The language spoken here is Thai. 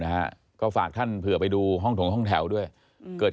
นะฮะก็ฝากท่านเผื่อไปดูห้องถงห้องแถวด้วยอืมเกิด